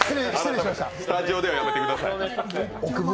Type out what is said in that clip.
スタジオではやめてください。